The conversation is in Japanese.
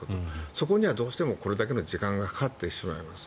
そこにはどうしてもこれだけの時間がかかってしまいます。